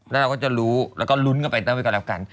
แล้วเราก็จะรู้แล้วก็ลุ้นกันไปด้วยก็แล้วกัน